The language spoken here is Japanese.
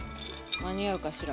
間に合うかしら？